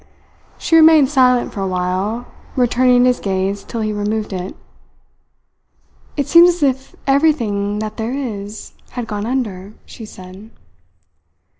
She remained silent for a while, returning his gaze till he removed it. "It seems as if everything that there is had gone under," she said.